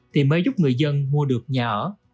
thì mới giúp người dân mua được nhà ở